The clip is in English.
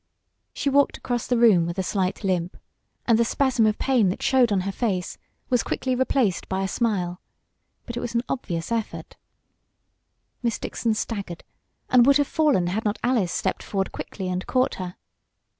She walked across the room, with a slight limp, and the spasm of pain that showed on her face was quickly replaced by a smile. But it was an obvious effort. Miss Dixon staggered, and would have fallen had not Alice stepped forward quickly and caught her.